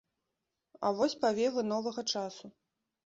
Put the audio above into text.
А вось павевы новага часу.